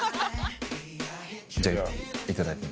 じゃあいただいても。